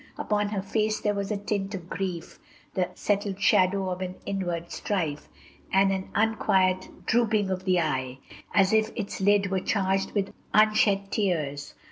Upon her face there was the tint of grief, The settled shadow of an inward strife, And an unquiet drooping of the eye, As if its lid were charged with unshed tears.